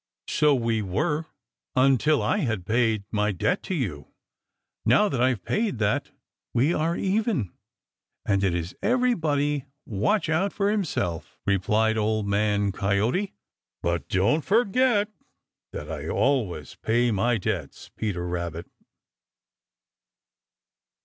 "So we were until I had paid my debt to you. Now that I've paid that, we are even, and it is everybody watch out for himself," replied Old Man Coyote. "But don't forget that I always pay my debts, Peter Rabbit."